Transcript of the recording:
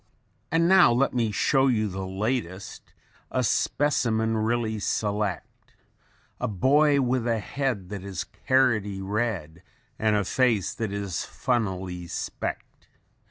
And now let me show you the latest, A specimen really select, A boy with a head that is carroty red And a face that is funnily specked.